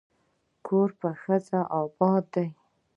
کور په ښځه اباد دی.